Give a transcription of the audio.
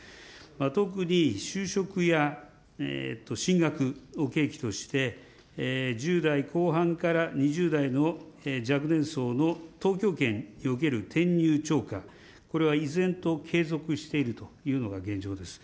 特に就職や進学を契機として、１０代後半から２０代の若年層の東京圏における転入超過、これは依然と継続しているというのが現状です。